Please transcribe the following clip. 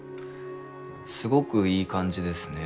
すごくいい感じですね。